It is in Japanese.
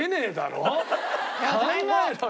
考えろよ！